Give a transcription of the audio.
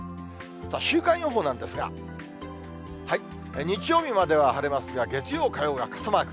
週間予報なんですが、日曜日までは晴れますが、月曜、火曜が傘マーク。